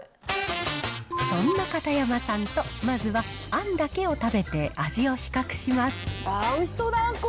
そんな片山さんと、まずはあんだけを食べて味を比較します。